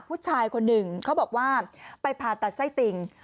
ผู้ชายคนหนึ่งเขาบอกว่าไปผ่าตัดไส้ติ่ง